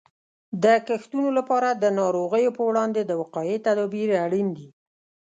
د کښتونو لپاره د ناروغیو په وړاندې د وقایې تدابیر اړین دي.